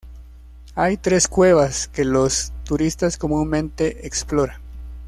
Hay tres cuevas, que los turistas comúnmente explora.